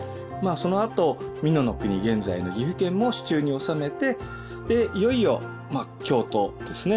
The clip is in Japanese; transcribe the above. そのあと美濃国現在の岐阜県も手中に収めてでいよいよ京都ですね